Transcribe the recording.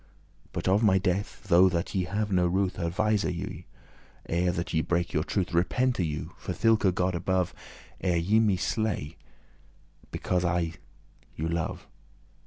But of my death though that ye have no ruth, Advise you, ere that ye break your truth: Repente you, for thilke God above, Ere ye me slay because that I you love.